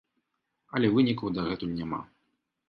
Але вынікаў дагэтуль няма.